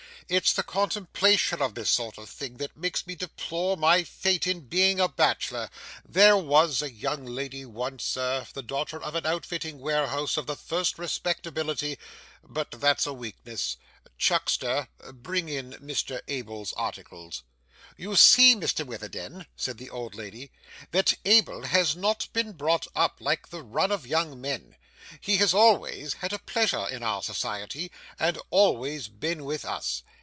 'It's the contemplation of this sort of thing, that makes me deplore my fate in being a bachelor. There was a young lady once, sir, the daughter of an outfitting warehouse of the first respectability but that's a weakness. Chuckster, bring in Mr Abel's articles.' 'You see, Mr Witherden,' said the old lady, 'that Abel has not been brought up like the run of young men. He has always had a pleasure in our society, and always been with us.